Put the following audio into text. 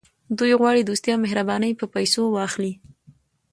دوی غواړي دوستي او مهرباني په پیسو واخلي.